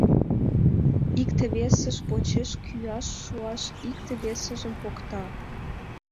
Икте весыж почеш кӱаш шуаш, икте весыжым покта.